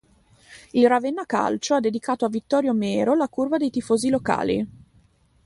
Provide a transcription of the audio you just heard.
Il Ravenna Calcio ha dedicato a Vittorio Mero la curva dei tifosi locali.